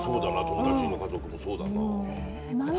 友達の家族もそうだなあ。